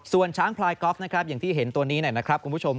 ส่วนช้างพลายกอล์ฟนะครับอย่างที่เห็นตัวนี้นะครับคุณผู้ชม